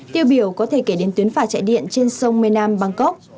tiêu biểu có thể kể đến tuyến phà chạy điện trên sông mê nam bangkok